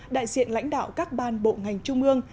đại diện lãnh đạo các ban bộ ngành trung ương